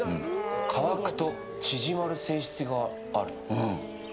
乾くと縮まる性質がある。